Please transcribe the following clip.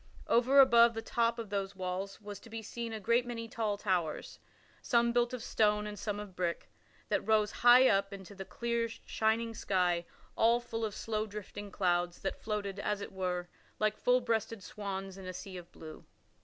Over above the top of those walls was to be seen a great many tall towers some built of stone and some of brick that rose high up into the clear, shining sky all full of slow drifting clouds, that floated, as it were, like full breasted swans in a sea of blue.